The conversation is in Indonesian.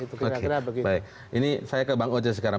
baik ini saya ke bang oce sekarang